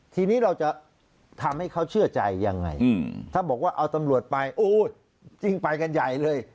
ทีนี้เราจะทำให้เขาเชื่อใจยังไงถ้าบอกว่าเอาตำรวจไปโอ้จริงไปกันใหญ่เลย